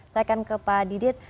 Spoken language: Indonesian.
saya akan ke pak didit